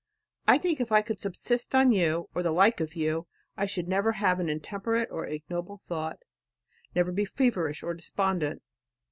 I think if I could subsist on you or the like of you, I should never have an intemperate or ignoble thought, never be feverish or despondent.